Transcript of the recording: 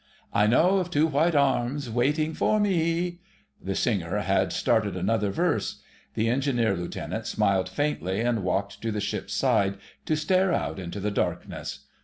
"I know of two white arms Waiting for me ..." The singer had started another verse; the Engineer Lieutenant smiled faintly, and walked to the ship's side to stare out into the darkness.